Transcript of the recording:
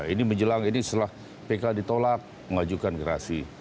ini menjelang ini setelah pk ditolak mengajukan gerasi